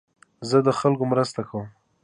زه د خلکو مرسته کوم.